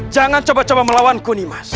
jangan coba coba melawan kunimas